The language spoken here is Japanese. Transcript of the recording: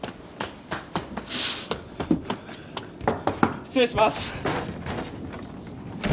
失礼します。